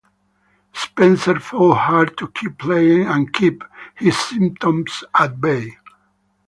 Spencer fought hard to keep playing and keep his symptoms at bay.